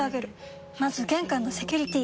まず玄関のセキュリティ！